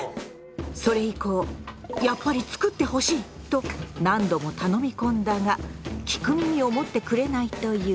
それ以降「やっぱり作ってほしい」と何度も頼み込んだが聞く耳を持ってくれないという。